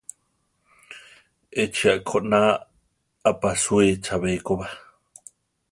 Échi a-koná aʼpasúe chabé ko ba.